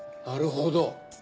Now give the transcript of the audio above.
なるほど。